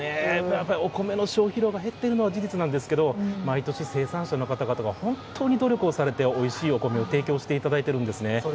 やっぱりお米の消費量が減っているのは事実なんですけど、毎年、生産者の方々が本当に努力をされて、おいしいお米を提供していただいているんですね。